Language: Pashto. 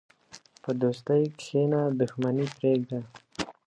په دوستۍ کښېنه، دښمني پرېږده.